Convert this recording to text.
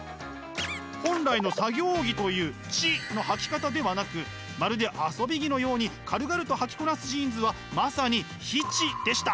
本来の作業着という知のはき方ではなくまるで遊び着のように軽々とはきこなすジーンズはまさに非−知でした。